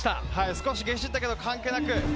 少しゲシったけど関係なく。